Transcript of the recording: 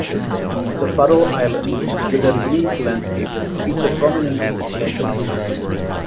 The Faroe Islands, with their unique landscape, feature prominently in her films.